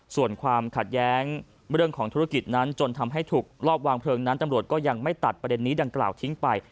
ส่วนความขัดแย้งเรื่องของธุรกิจนั้นจนทำให้ถูกรอบวางเพลิงนั้นตำรวจก็ยังไม่ตัดประเด็นนี้ดังกล่าวทิ้งไป